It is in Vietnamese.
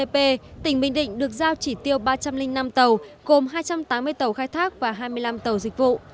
tỉnh bình định được giao chỉ tiêu ba trăm linh năm tàu gồm hai trăm tám mươi tàu khai thác và hai mươi năm tàu dịch vụ